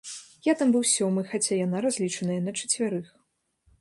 Я там быў сёмы, хаця яна разлічаная на чацвярых.